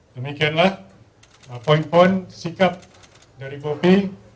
demikianlah poin poin sikap dari bopi